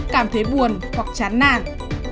sáu cảm thấy buồn hoặc chán nạn